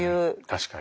確かに。